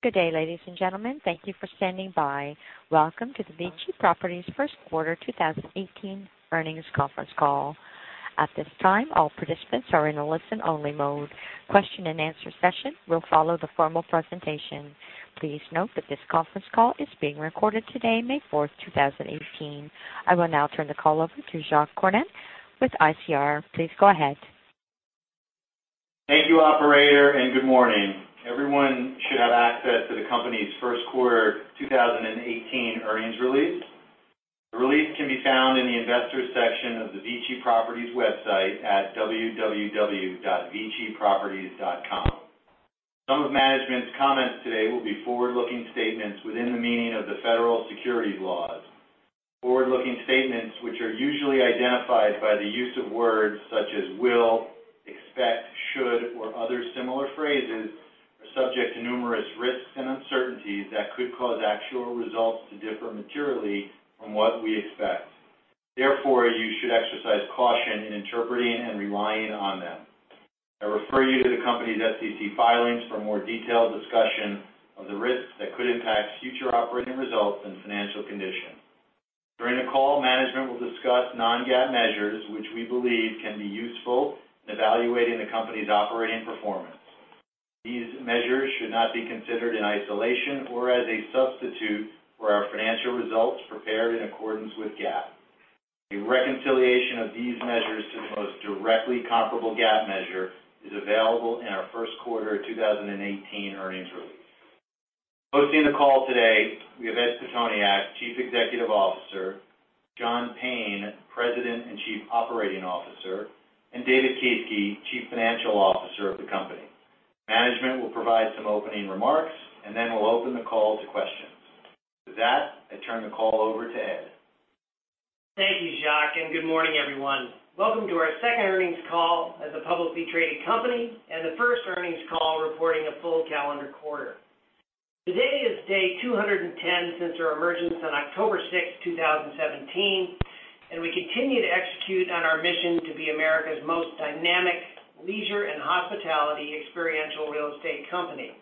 Good day, ladies and gentlemen. Thank you for standing by. Welcome to the VICI Properties First Quarter 2018 Earnings Conference Call. At this time, all participants are in a listen-only mode. Question and answer session will follow the formal presentation. Please note that this conference call is being recorded today, May 4th, 2018. I will now turn the call over to Jacques Cornet with ICR. Please go ahead. Thank you, operator. Good morning. Everyone should have access to the company's first quarter 2018 earnings release. The release can be found in the investors section of the VICI Properties website at www.viciproperties.com. Some of management's comments today will be forward-looking statements within the meaning of the federal securities laws. Forward-looking statements, which are usually identified by the use of words such as will, expect, should, or other similar phrases, are subject to numerous risks and uncertainties that could cause actual results to differ materially from what we expect. Therefore, you should exercise caution in interpreting and relying on them. I refer you to the company's SEC filings for more detailed discussion of the risks that could impact future operating results and financial condition. During the call, management will discuss non-GAAP measures, which we believe can be useful in evaluating the company's operating performance. These measures should not be considered in isolation or as a substitute for our financial results prepared in accordance with GAAP. A reconciliation of these measures to the most directly comparable GAAP measure is available in our first quarter 2018 earnings release. Hosting the call today, we have Ed Pitoniak, Chief Executive Officer, John Payne, President and Chief Operating Officer, and David Kieske, Chief Financial Officer of the company. Management will provide some opening remarks. Then we'll open the call to questions. With that, I turn the call over to Ed. Thank you, Jacques. Good morning, everyone. Welcome to our second earnings call as a publicly traded company and the first earnings call reporting a full calendar quarter. Today is day 210 since our emergence on October 6th, 2017. We continue to execute on our mission to be America's most dynamic leisure and hospitality experiential real estate company.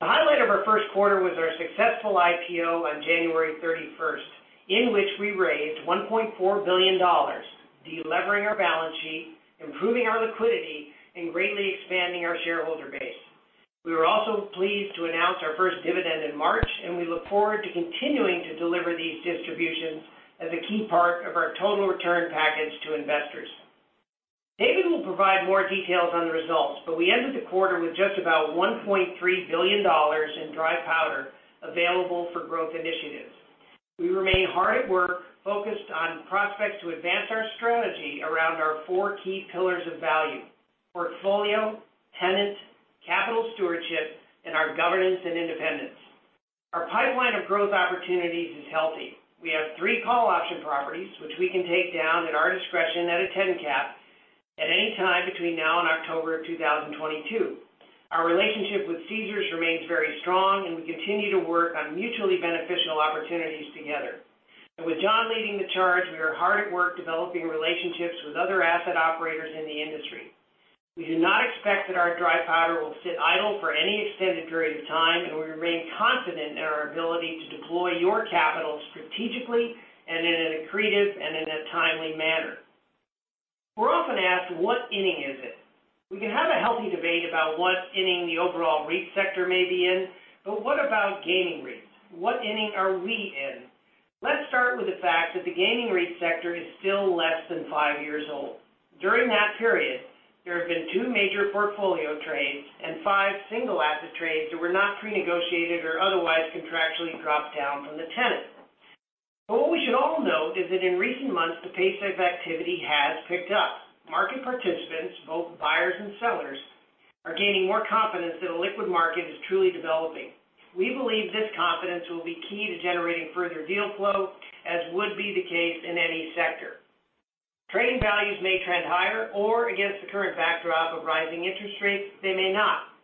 The highlight of our first quarter was our successful IPO on January 31st, in which we raised $1.4 billion, de-levering our balance sheet, improving our liquidity, and greatly expanding our shareholder base. We were also pleased to announce our first dividend in March. We look forward to continuing to deliver these distributions as a key part of our total return package to investors. David will provide more details on the results. We ended the quarter with just about $1.3 billion in dry powder available for growth initiatives. We remain hard at work focused on prospects to advance our strategy around our four key pillars of value, portfolio, tenant, capital stewardship, and our governance and independence. Our pipeline of growth opportunities is healthy. We have three call-option properties which we can take down at our discretion at a 10 cap at any time between now and October of 2022. Our relationship with Caesars remains very strong, and we continue to work on mutually beneficial opportunities together. With John leading the charge, we are hard at work developing relationships with other asset operators in the industry. We do not expect that our dry powder will sit idle for any extended period of time, and we remain confident in our ability to deploy your capital strategically and in an accretive and in a timely manner. We're often asked, what inning is it? We can have a healthy debate about what inning the overall REIT sector may be in. What about gaming REITs? What inning are we in? Let's start with the fact that the gaming REIT sector is still less than five years old. During that period, there have been two major portfolio trades and five single asset trades that were not pre-negotiated or otherwise contractually dropped down from the tenant. What we should all note is that in recent months, the pace of activity has picked up. Market participants, both buyers and sellers, are gaining more confidence that a liquid market is truly developing. We believe this confidence will be key to generating further deal flow, as would be the case in any sector. Trading values may trend higher, or against the current backdrop of rising interest rates, they may not.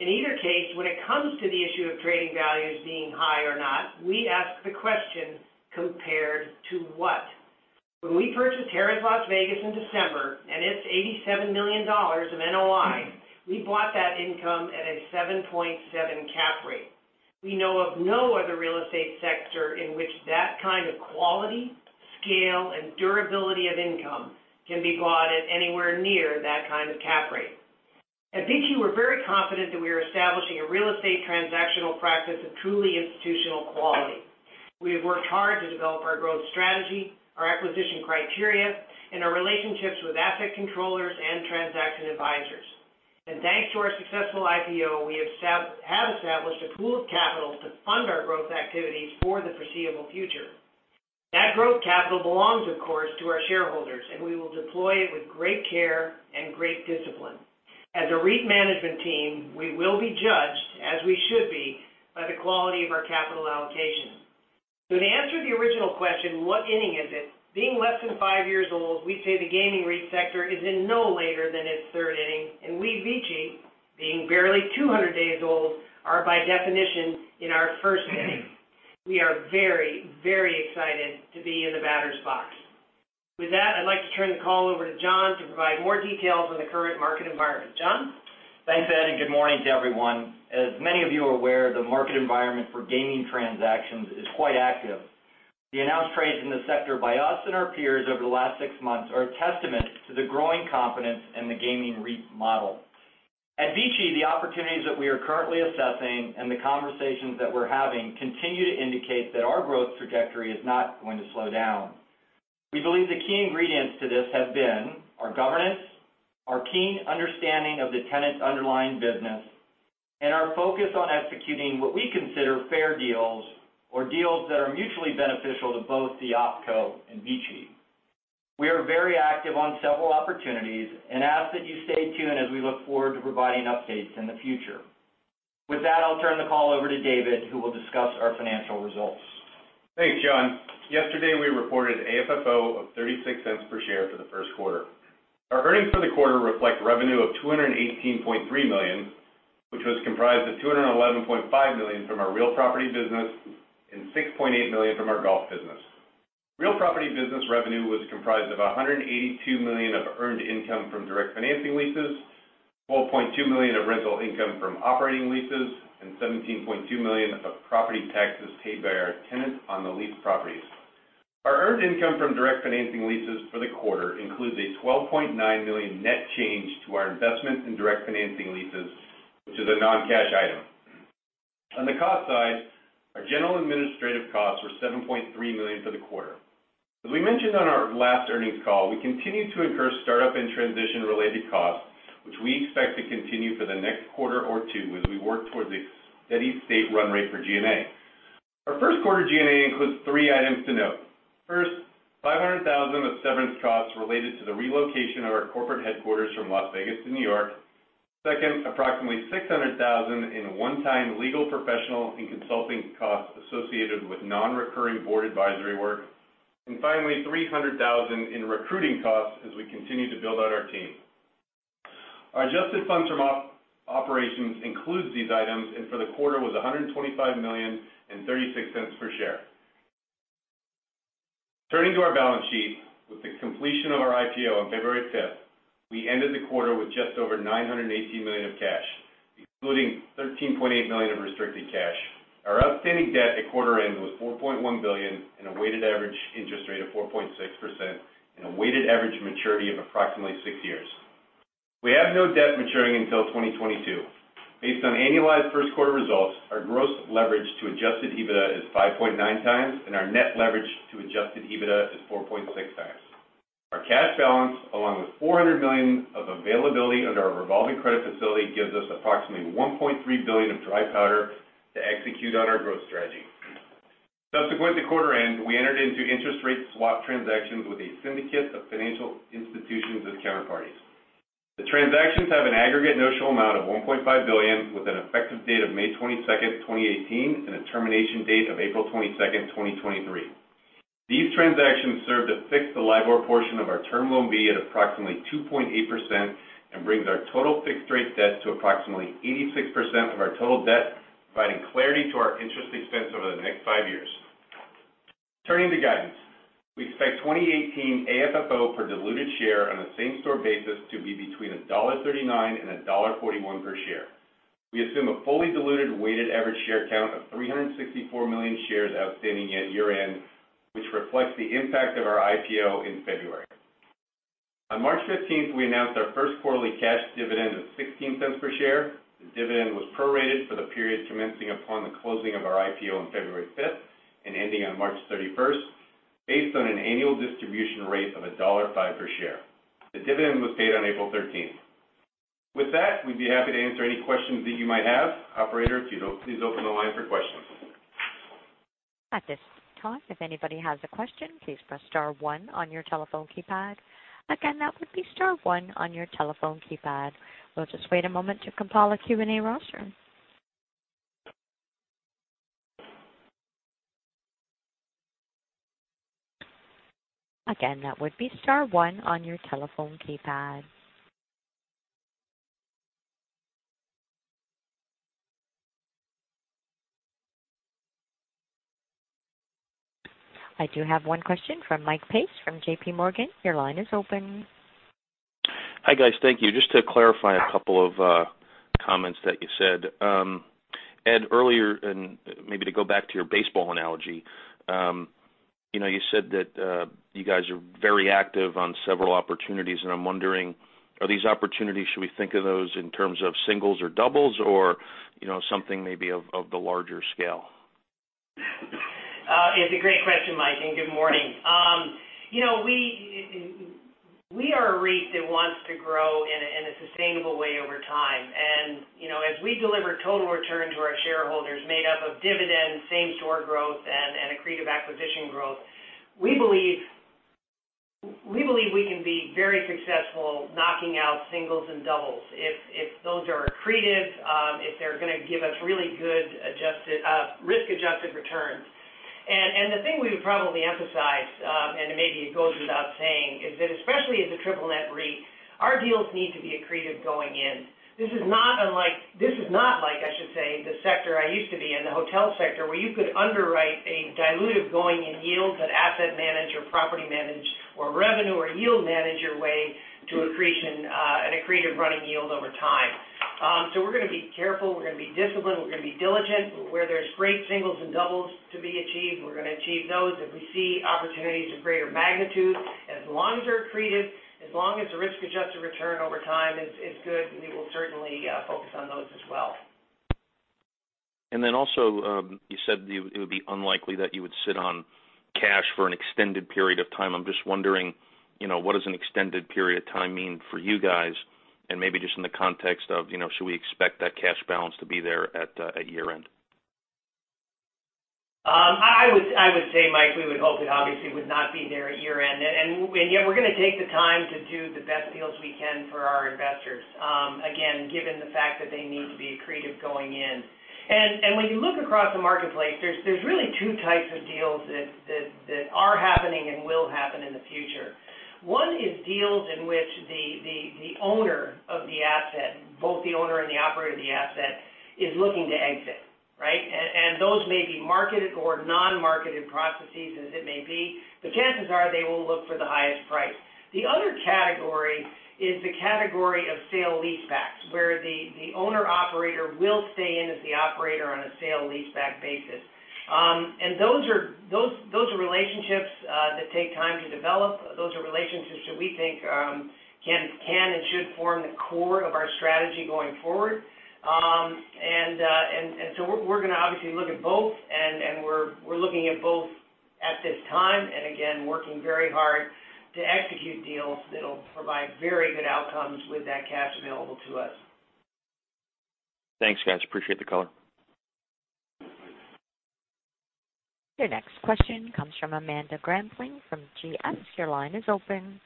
In either case, when it comes to the issue of trading values being high or not, we ask the question, compared to what? When we purchased Harrah's Las Vegas in December and its $87 million of NOI, we bought that income at a 7.7 cap rate. We know of no other real estate sector in which that kind of quality, scale, and durability of income can be bought at anywhere near that kind of cap rate. At VICI, we're very confident that we are establishing a real estate transactional practice of truly institutional quality. We have worked hard to develop our growth strategy, our acquisition criteria, and our relationships with asset controllers and transaction advisors. Thanks to our successful IPO, we have established a pool of capital to fund our growth activities for the foreseeable future. That growth capital belongs, of course, to our shareholders, and we will deploy it with great care and great discipline. As a REIT management team, we will be judged, as we should be, by the quality of our capital allocation. To answer the original question, what inning is it? Being less than five years old, we say the gaming REIT sector is in no later than its third inning, and we, VICI, being barely 200 days old, are by definition in our first inning. We are very, very excited to be in the batter's box. With that, I'd like to turn the call over to John to provide more details on the current market environment. John? Thanks, Ed, good morning to everyone. As many of you are aware, the market environment for gaming transactions is quite active. The announced trades in the sector by us and our peers over the last six months are a testament to the growing confidence in the gaming REIT model. At VICI, the opportunities that we are currently assessing and the conversations that we're having continue to indicate that our growth trajectory is not going to slow down. We believe the key ingredients to this have been our governance, our keen understanding of the tenant's underlying business, and our focus on executing what we consider fair deals or deals that are mutually beneficial to both the OpCo and VICI. We are very active on several opportunities and ask that you stay tuned as we look forward to providing updates in the future. With that, I'll turn the call over to David, who will discuss our financial results. Thanks, John. Yesterday, we reported AFFO of $0.36 per share for the first quarter. Our earnings for the quarter reflect revenue of $218.3 million, which was comprised of $211.5 million from our real property business and $6.8 million from our golf business. Real property business revenue was comprised of $182 million of earned income from direct financing leases, $12.2 million of rental income from operating leases, and $17.2 million of property taxes paid by our tenants on the leased properties. Our earned income from direct financing leases for the quarter includes a $12.9 million net change to our investment in direct financing leases, which is a non-cash item. On the cost side, our general administrative costs were $7.3 million for the quarter. As we mentioned on our last earnings call, we continue to incur startup and transition-related costs, which we expect to continue for the next quarter or two as we work towards a steady state run rate for G&A. Our first quarter G&A includes three items to note. First, $500,000 of severance costs related to the relocation of our corporate headquarters from Las Vegas to N.Y. Second, approximately $600,000 in one-time legal, professional, and consulting costs associated with non-recurring board advisory work. Finally, $300,000 in recruiting costs as we continue to build out our team. Our adjusted funds from operations includes these items, and for the quarter was $125 million and $0.36 per share. Turning to our balance sheet, with the completion of our IPO on February 5th, we ended the quarter with just over $918 million of cash, including $13.8 million of restricted cash. Our outstanding debt at quarter end was $4.1 billion and a weighted average interest rate of 4.6% and a weighted average maturity of approximately six years. We have no debt maturing until 2022. Based on annualized first-quarter results, our gross leverage to adjusted EBITDA is 5.9 times, and our net leverage to adjusted EBITDA is 4.6 times. Our cash balance, along with $400 million of availability under our revolving credit facility, gives us approximately $1.3 billion of dry powder to execute on our growth strategy. Subsequent to quarter end, we entered into interest rate swap transactions with a syndicate of financial institutions as counterparties. The transactions have an aggregate notional amount of $1.5 billion, with an effective date of May 22nd, 2018, and a termination date of April 22nd, 2023. These transactions serve to fix the LIBOR portion of our Term Loan B at approximately 2.8% and brings our total fixed-rate debt to approximately 86% of our total debt, providing clarity to our interest expense over the next five years. Turning to guidance. We expect 2018 AFFO per diluted share on a same-store basis to be between $1.39 and $1.41 per share. We assume a fully diluted weighted average share count of 364 million shares outstanding at year-end, which reflects the impact of our IPO in February. On March 15th, we announced our first quarterly cash dividend of $0.16 per share. The dividend was prorated for the period commencing upon the closing of our IPO on February 5th and ending on March 31st, based on an annual distribution rate of $1.05 per share. The dividend was paid on April 13th. With that, we'd be happy to answer any questions that you might have. Operator, please open the line for questions. At this time, if anybody has a question, please press star one on your telephone keypad. Again, that would be star one on your telephone keypad. We'll just wait a moment to compile a Q&A roster. Again, that would be star one on your telephone keypad. I do have one question from Michael Pace from J.P. Morgan. Your line is open. Hi, guys. Thank you. Just to clarify a couple of comments that you said. Ed, earlier, maybe to go back to your baseball analogy, you said that you guys are very active on several opportunities. I'm wondering, are these opportunities, should we think of those in terms of singles or doubles or something maybe of the larger scale? It's a great question, Mike. Good morning. We are a REIT that wants to grow in a sustainable way over time. As we deliver total return to our shareholders made up of dividends, same-store growth, and accretive acquisition growth, we believe we can be very successful knocking out singles and doubles if those are accretive, if they're gonna give us really good risk-adjusted returns. The thing we would probably emphasize, maybe it goes without saying, is that especially as a triple net REIT, our deals need to be accretive going in. This is not like the sector I used to be in, the hotel sector, where you could underwrite a dilutive going in yields that asset manage or property manage or revenue or yield manage your way to accretion and accretive running yield over time. We're going to be careful, we're going to be disciplined, we're going to be diligent. Where there's great singles and doubles to be achieved, we're going to achieve those. If we see opportunities of greater magnitude, as long as they're accretive, as long as the risk-adjusted return over time is good, we will certainly focus on those as well. You said it would be unlikely that you would sit on cash for an extended period of time. I'm just wondering, what does an extended period of time mean for you guys? Maybe just in the context of, should we expect that cash balance to be there at year-end? I would say, Mike, we would hope it obviously would not be there at year-end. Yet we're going to take the time to do the best deals we can for our investors, again, given the fact that they need to be accretive going in. When you look across the marketplace, there's really 2 types of deals that are happening and will happen in the future. One is deals in which the owner of the asset, both the owner and the operator of the asset, is looking to exit, right? Those may be marketed or non-marketed processes as it may be, but chances are they will look for the highest price. The other category is the category of sale leasebacks, where the owner/operator will stay in as the operator on a sale leaseback basis. Those are relationships that take time to develop. Those are relationships that we think can and should form the core of our strategy going forward. So we're going to obviously look at both, and we're looking at both at this time, and again, working very hard to execute deals that'll provide very good outcomes with that cash available to us. Thanks, guys. Appreciate the color. Your next question comes from Amanda Gramling from GF. Your line is open.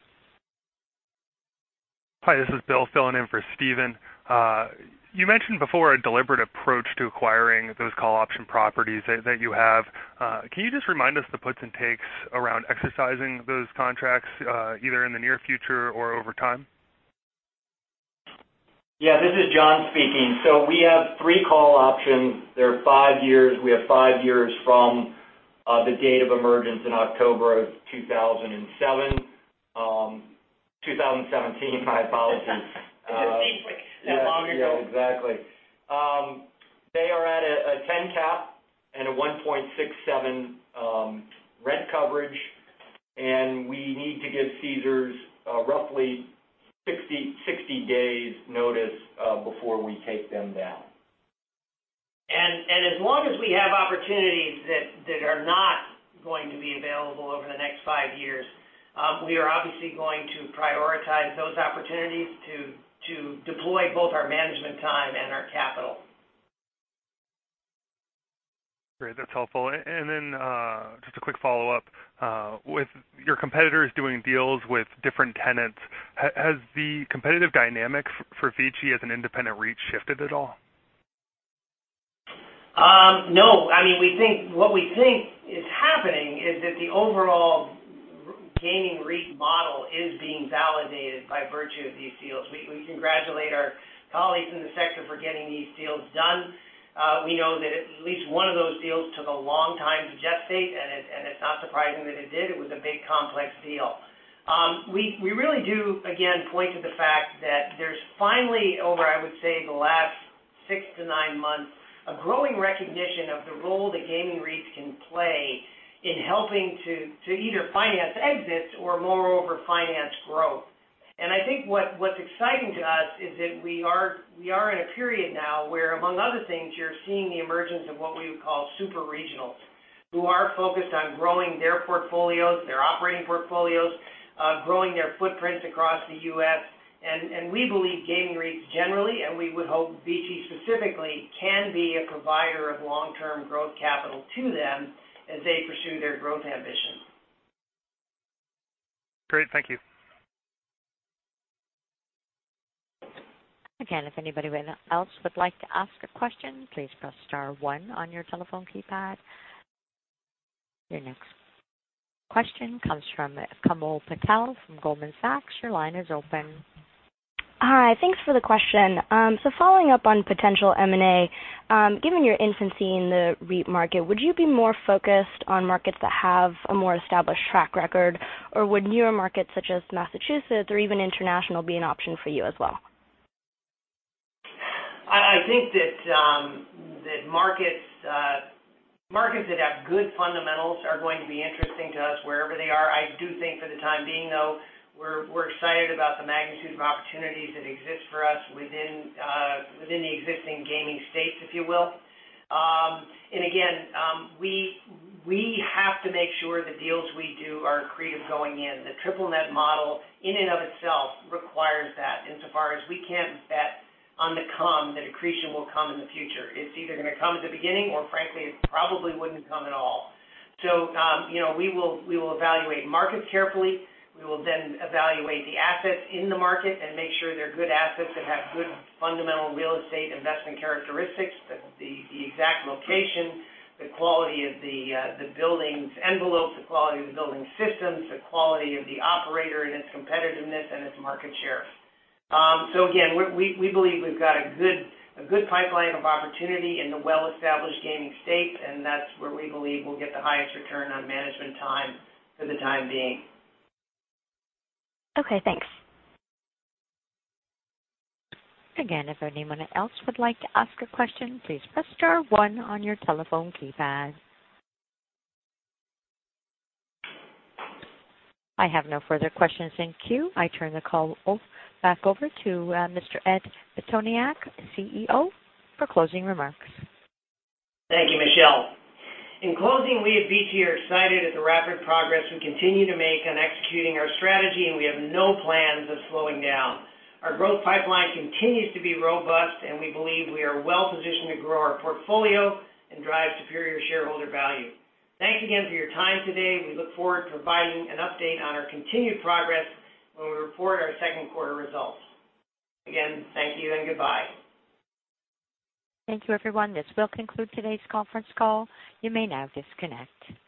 Hi, this is Bill filling in for Steven. You mentioned before a deliberate approach to acquiring those call option properties that you have. Can you just remind us the puts and takes around exercising those contracts, either in the near future or over time? Yeah, this is John speaking. We have three call options. They're five years. We have five years from the date of emergence in October of 2007. 2017, my apologies. It just seems like that long ago. Yeah, exactly. They are at a 10 cap and a 1.67 rent coverage. We need to give Caesars roughly 60 days notice before we take them down. As long as we have opportunities that are not going to be available over the next five years, we are obviously going to prioritize those opportunities to deploy both our management time and our capital. Great. That's helpful. Just a quick follow-up. With your competitors doing deals with different tenants, has the competitive dynamic for VICI as an independent REIT shifted at all? No. What we think is happening is that the overall gaming REIT model is being validated by virtue of these deals. We congratulate our colleagues in the sector for getting these deals done. We know that at least one of those deals took a long time to gestate. It's not surprising that it did. It was a big, complex deal. We really do, again, point to the fact that there's finally, over, I would say, the last six to nine months, a growing recognition of the role that gaming REITs can play in helping to either finance exits or moreover, finance growth. I think what's exciting to us is that we are in a period now where, among other things, you're seeing the emergence of what we would call super regionals, who are focused on growing their portfolios, their operating portfolios, growing their footprints across the U.S. We believe gaming REITs generally, and we would hope VICI specifically, can be a provider of long-term growth capital to them as they pursue their growth ambitions. Great. Thank you. Again, if anybody else would like to ask a question, please press star one on your telephone keypad. Your next question comes from Komal Patel from Goldman Sachs. Your line is open. Hi. Thanks for the question. Following up on potential M&A, given your infancy in the REIT market, would you be more focused on markets that have a more established track record, or would newer markets such as Massachusetts or even international be an option for you as well? I think that markets that have good fundamentals are going to be interesting to us wherever they are. I do think for the time being, though, we're excited about the magnitude of opportunities that exist for us within the existing gaming states, if you will. Again, we have to make sure the deals we do are accretive going in. The triple net model in and of itself requires that insofar as we can't bet on the come that accretion will come in the future. It's either going to come at the beginning or frankly, it probably wouldn't come at all. We will evaluate markets carefully. We will then evaluate the assets in the market and make sure they're good assets that have good fundamental real estate investment characteristics, the exact location, the quality of the building's envelope, the quality of the building's systems, the quality of the operator and its competitiveness and its market share. Again, we believe we've got a good pipeline of opportunity in the well-established gaming states, and that's where we believe we'll get the highest return on management time for the time being. Okay, thanks. Again, if anyone else would like to ask a question, please press star one on your telephone keypad. I have no further questions in queue. I turn the call back over to Mr. Ed Pitoniak, CEO, for closing remarks. Thank you, Michelle. In closing, we at VICI are excited at the rapid progress we continue to make on executing our strategy, and we have no plans of slowing down. Our growth pipeline continues to be robust, and we believe we are well-positioned to grow our portfolio and drive superior shareholder value. Thanks again for your time today. We look forward to providing an update on our continued progress when we report our second quarter results. Again, thank you and goodbye. Thank you, everyone. This will conclude today's conference call. You may now disconnect.